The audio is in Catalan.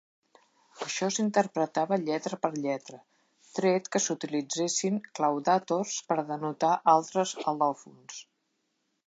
Això s'interpretava lletra per lletra tret que s'utilitzessin claudàtors per denotar altres al·lòfons.